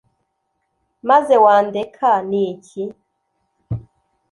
Maze wandeka ni iki ?